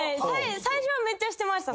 最初はめっちゃしてました。